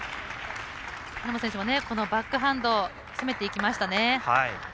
バックハンド攻めていきましたね。